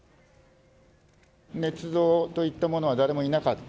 ねつ造と言った者は、誰もいなかった。